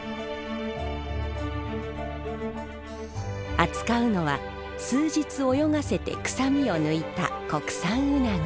扱うのは数日泳がせて臭みを抜いた国産うなぎ。